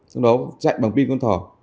xong đó chạy bằng pin con thỏ